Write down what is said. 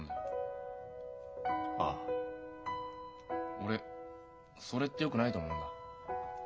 俺それってよくないと思うんだ。